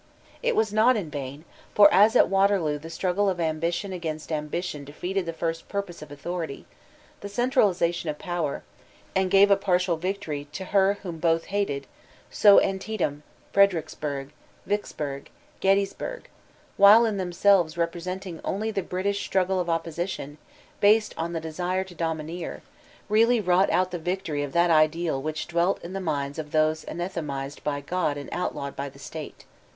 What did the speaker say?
*' It was not in vam ; for as at Waterloo the struggle of ambition against ambition defeated the first purpose of Authority, the centralization of power, and gave a partial victory to her whom both hated, so Antietam, Fredericksburg, Vicksburg, Gettysburg, while in themselves representing only the brutish struggle of opposition, based on the de» ure to domineer, really wrought out the victory of that faleal which dwelt in the minds of those anathematixed 396 VOLTAISINB VE ClEYSE by God and outlawed by the State.